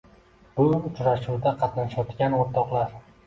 Bu uchrashuvda qatnashayotgan o‘rtoqlar.